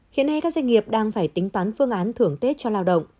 hiện nay các doanh nghiệp đang phải tính toán phương án thưởng tết cho lao động